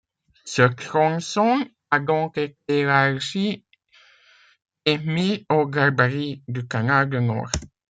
Ce tronçon a donc été élargi et mis au gabarit du canal du Nord.